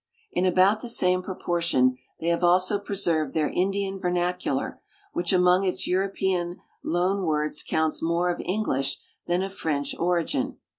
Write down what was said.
In about the same proportion they have also preserved their Indian vernacular, which among its European loan words counts more of English than of French origin.